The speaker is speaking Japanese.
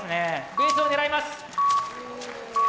ベースを狙います。